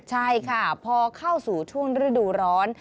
ใช่ค่ะพอเข้าสู่ช่วงฤดูร้อน